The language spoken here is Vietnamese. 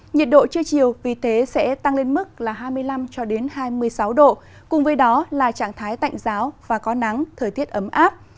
nhiệt độ trưa chiều vì thế sẽ tăng lên mức là hai mươi năm hai mươi sáu độ cùng với đó là trạng thái tạnh giáo và có nắng thời tiết ấm áp